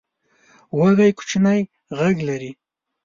وزې کوچنی غږ لري